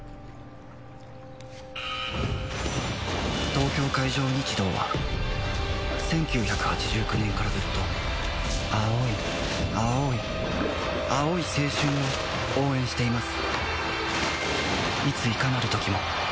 東京海上日動は１９８９年からずっと青い青い青い青春を応援しています